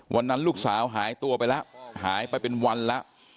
วันนั้นลูกสาวหายตัวไปแล้วหายไปเป็นวันแล้ว